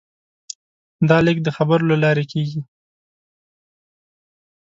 دا لېږد د خبرو له لارې کېږي.